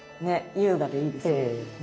優雅でいいですよね。